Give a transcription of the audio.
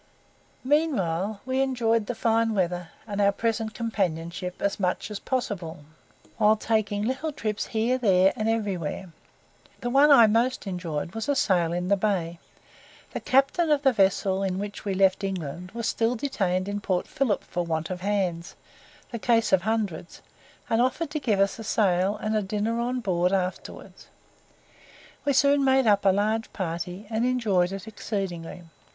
Meanwhile we enjoyed the fine weather, and our present companionship, as much as possible, while taking little trips here, there, and everywhere. The one I most enjoyed was a sail in the Bay. The captain of the vessel in which we left England, was still detained in Port Philip for want of hands the case of hundreds and offered to give us a sail, and a dinner on board afterwards. We soon made up a large party, and enjoyed it exceedingly.